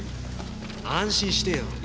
安心してよ。